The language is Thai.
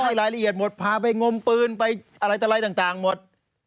ให้รายละเอียดหมดพาไปงมปืนไปอะไรต่ออะไรต่างหมด